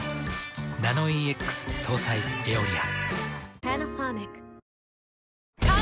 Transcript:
ナノイーＸ搭載「エオリア」。